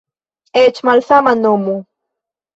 Eĉ malsama nomo.